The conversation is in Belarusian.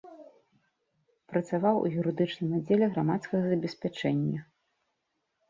Працаваў у юрыдычным аддзеле грамадскага забеспячэння.